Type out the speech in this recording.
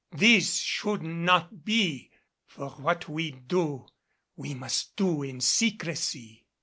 This should not be, for what we do, we must do in secrecy."